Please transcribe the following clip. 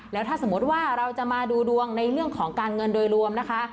แล้วถ้าสมมติว่าเราจะมาดูดวงในเรื่องของการเงินโดยรวมนะคะ